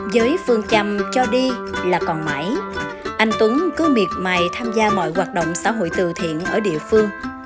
giới phương chăm cho đi là còn mãi anh tuấn cứ miệt mại tham gia mọi hoạt động xã hội từ thiện ở địa phương